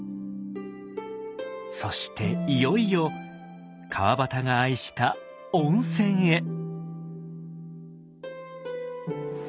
そしていよいよ川端が愛した温泉へ。